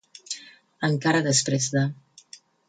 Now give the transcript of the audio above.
Encara després de.